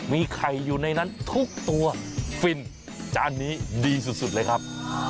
มีไข่อยู่ในนั้นทุกตัวฟินจานนี้ดีสุดเลยครับ